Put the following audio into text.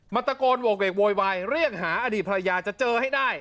ตะโกนโหกเวกโวยวายเรียกหาอดีตภรรยาจะเจอให้ได้